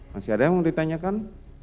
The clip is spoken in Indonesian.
masih ada yang mau ditanyakan